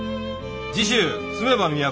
次週「住めば都」。